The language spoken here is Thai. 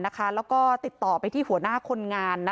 แล้วก็ติดต่อไปที่หัวหน้าคนงาน